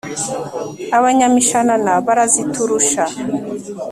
Abanyamishanana baraziturusha"